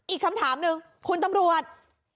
อีกคำถามหนึ่งคุณตำรวจ